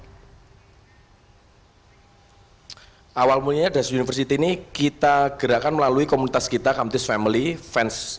hai awal punya das university ini kita gerakan melalui komunitas kita kamtis family fans